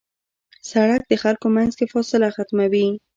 سړک د خلکو منځ کې فاصله ختموي.